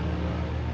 keren sekali sekalian